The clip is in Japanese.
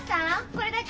これだけ？